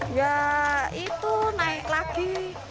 enggak itu naik lagi